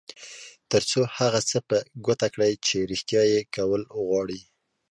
تر څو هغه څه په ګوته کړئ چې رېښتيا یې کول غواړئ.